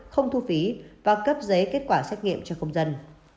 không thu phí và cấp giấy kết quả xét nghiệm cho công dân